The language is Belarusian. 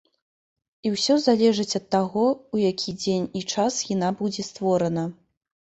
І ўсё залежыць ад таго, у які дзень і час яна будзе створана.